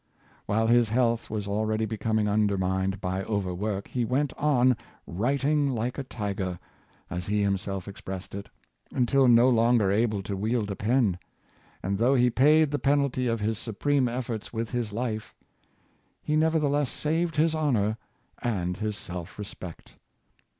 While his health was already becoming undermined by overwork, he went on " writing like a tiger," as he himself ex pressed it, until no longer able to wield a pen; and though he paid the penalty of his supreme efforts with his life, he nevertheless saved his honor and his self respect.